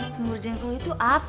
semur jengkol itu apa